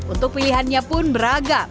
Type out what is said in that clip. untuk pilihannya pun beragam